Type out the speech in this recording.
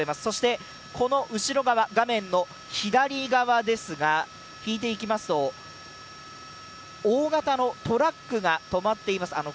そして、この後ろ側、画面の左側ですが、引いていきますと、大型のトラックが止まっています。